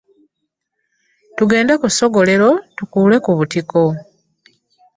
Tugende ku ssogolero tukuule ku butiko.